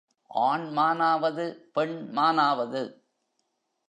ஆண் மானாவது, பெண் மானாவது?